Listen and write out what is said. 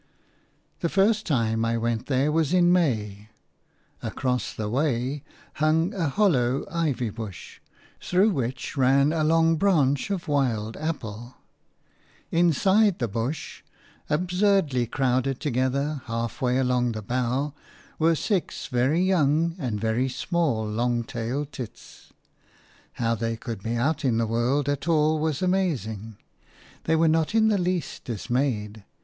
The first time I went there was in May. Across the way hung a hollow ivy bush, through which ran a long branch of wild apple. Inside the bush, absurdly crowded together half way along the bough, were six very young and very small long tailed tits. How they could be out in the world at all was amazing. They were not in the least dismayed.